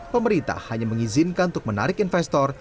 pemerintah hanya mengizinkan untuk menarik investor